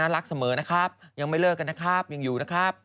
รักเสมอนะครับยังไม่เลิกกันนะครับยังอยู่นะครับ